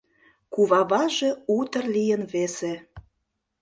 Куваваже утыр лийын весе.